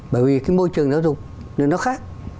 bởi vì cái môi trường giáo dục nó khác